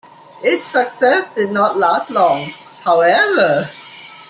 Its success did not last long, however.